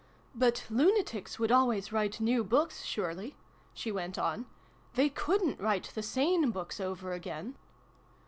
" But lunatics would always write new books, surely ?" she went on. " They couldnt write the sane books over again